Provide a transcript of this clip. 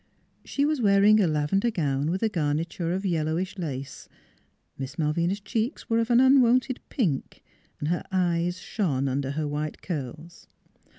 She was wearing a lavender gown with a garniture of yellowish lace. Miss Malvina's cheeks were of an unwonted pink. Her eyes shone under her white curls.